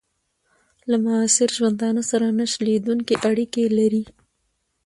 له معاصر ژوندانه سره نه شلېدونکي اړیکي لري.